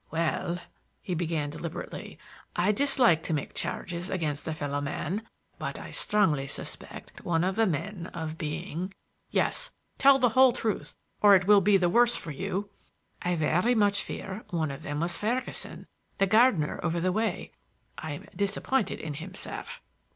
"Well," he began deliberately, "I dislike to make charges against a fellow man, but I strongly suspect one of the men of being—" "Yes! Tell the whole truth or it will be the worse for you." "I very much fear one of them was Ferguson, the gardener over the way. I'm disappointed in him, sir."